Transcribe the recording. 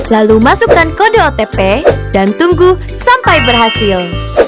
lalu masukkan kode otp dan tunggu sampai berhasil